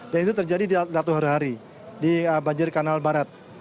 dan itu terjadi di latuh hari hari di banjir kanal barat